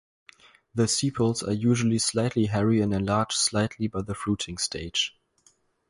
The sepals are usually slightly hairy and enlarge slightly by the fruiting stage.